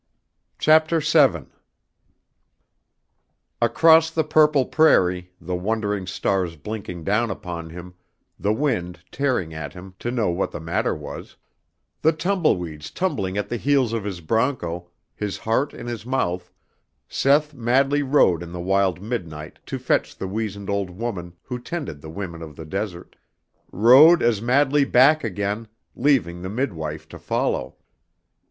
'" CHAPTER VII. Across the purple prairie, the wondering stars blinking down upon him, the wind tearing at him to know what the matter was, the tumbleweeds tumbling at the heels of his broncho, his heart in his mouth, Seth madly rode in the wild midnight to fetch the weazened old woman who tended the women of the desert, rode as madly back again, leaving the midwife to follow.